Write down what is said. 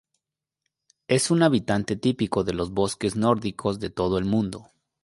Es un habitante típico de los bosques nórdicos de todo el mundo.